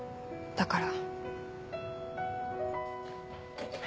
だから。